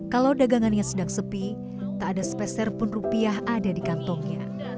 kalau dagangannya sedang sepi tak ada speser pun rupiah ada di kantongnya